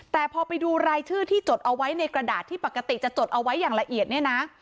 แต่พอไปดูรายชื่อที่จดเอาไว้ในกระดาษที่ปกติจะจดเอาไว้อย่างละเอียดเนี่ยนะ